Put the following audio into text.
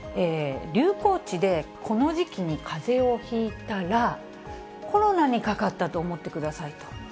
流行地でこの時期にかぜをひいたら、コロナにかかったと思ってくださいと。